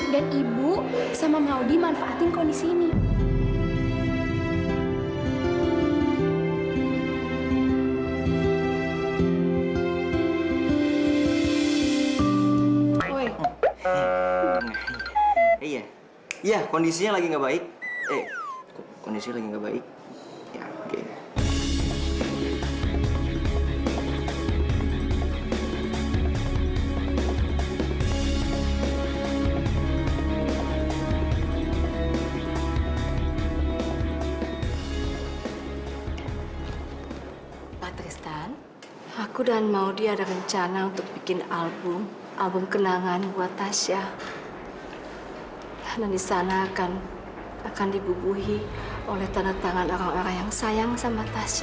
dan ibu sama maudie manfaatin kondisi ini